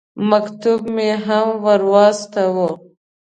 مکتوب مې هم ور واستاوه.